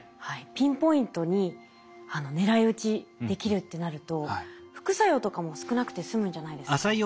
ピンポイントに狙い撃ちできるってなると副作用とかも少なくてすむんじゃないですかね。